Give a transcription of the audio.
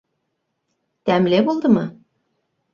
Тәмле булдымы?